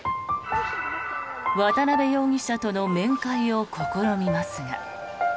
渡邉容疑者との面会を試みますが。